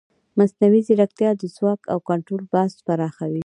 مصنوعي ځیرکتیا د ځواک او کنټرول بحث پراخوي.